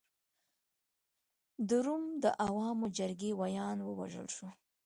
د روم د عوامو جرګې ویاند ووژل شو.